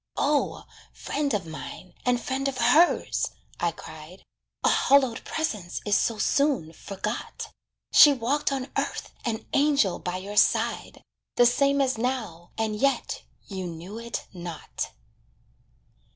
"O, friend of mine, and friend of hers," I cried, "A hallowed presence is so soon forgot. She walked on earth an angel by your side, The same as now, and yet you knew it not."